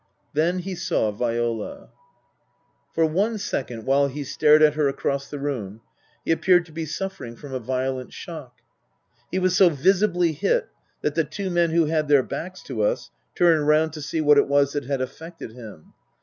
Then he saw Viola. For one second, while he stared at her across the room, he appeared to be suffering from a violent shock. He was so visibly hit that the two men who had their backs to us turned round to see what it was that had affected him.